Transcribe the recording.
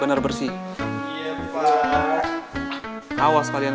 eh lu bertiga juga gak